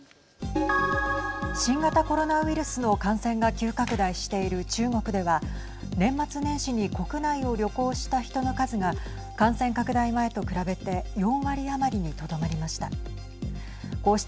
新型コロナウイルスの感染が急拡大している中国では年末年始に国内を旅行した人の数が感染拡大前と比べて４割余りにとどまりました。